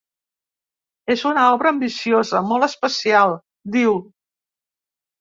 És una obra ambiciosa, molt especial, diu.